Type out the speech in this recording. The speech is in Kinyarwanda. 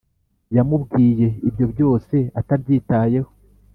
yamubwiye ibyo byose atabyitayeho